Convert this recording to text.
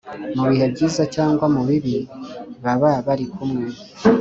mu bihe byiza cyangwa mu ibibi baba bari kumwe